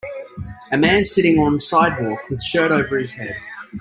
A man sitting on sidewalk with shirt over his head.